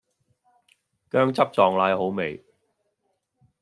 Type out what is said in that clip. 薑汁撞奶好味